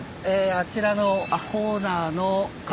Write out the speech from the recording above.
あちらのコーナーの壁。